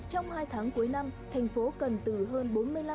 trong hai tháng cuối năm thành phố cần từ hơn